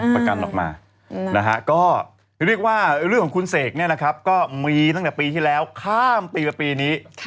ประกันออกมานะฮะก็เรียกว่าเรื่องของคุณเสกเนี่ยนะครับก็มีตั้งแต่ปีที่แล้วข้ามปีมาปีนี้